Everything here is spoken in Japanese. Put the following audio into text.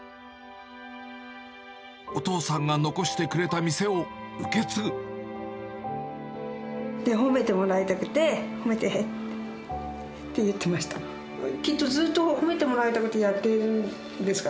お父さんが残してくれた店を受け褒めてもらいたくて、褒めてってずっと言ってました。